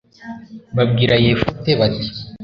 babwira yefute, bati